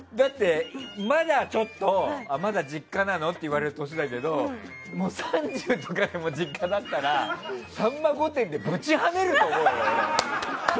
だって、まだ実家なの？って言われる年だけどもう３０とかでも実家だったら「さんま御殿！！」でぶちはねると思うよ。